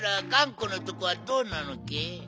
このとこはどうなのけ？